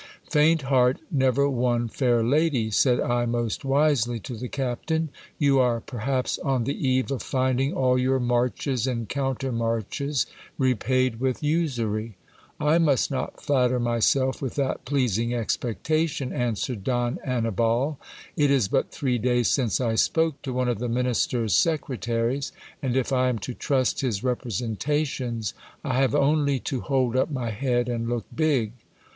Faint heart never won fair lady, said I most wisely to the captain ; you are perhaps on the eve of finding all your marches and countermarches repaid with usury. I must not flatter myself with that pleasing expectation, answered Don Annibal. It is but three days since I spoke to one of the minister's secretaries ; and if I am to trust his representations, I have only to hold up my head and look big.